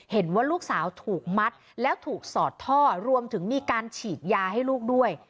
เห็นว่าลูกสาวถูกมัดแล้วถูกสอดท่อรวมถึงมีการฉีดยาให้ลูกด้วย